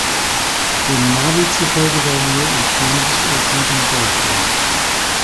Dem Navi zufolge werden wir um zwanzig Uhr sieben da sein.